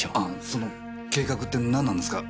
その計画って何なんですか？